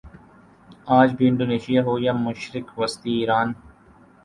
آج بھی انڈونیشیا ہو یا مشرق وسطی ایران